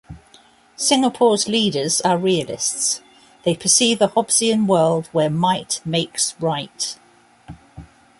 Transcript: Singapore's leaders are realists; they perceive a Hobbesian world where might makes right.